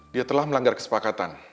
dia telah melanggar kesepakatan